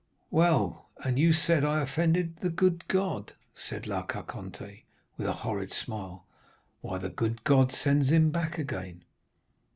"'Well, and you said I offended the good God,' said La Carconte with a horrid smile. 'Why, the good God sends him back again.